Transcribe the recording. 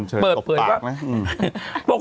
เชิญตบปากนะ